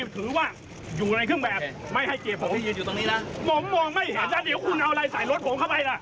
ผมมองไม่เดี๋ยวคุณเอาใส่ไลน์ใส่รถผมเข้าไปกัน